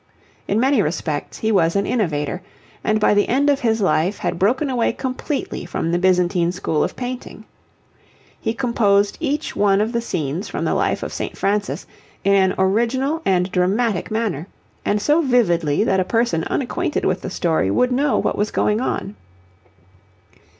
In many respects he was an innovator, and by the end of his life had broken away completely from the Byzantine school of painting. He composed each one of the scenes from the life of St. Francis in an original and dramatic manner, and so vividly that a person unacquainted with the story would know what was going on.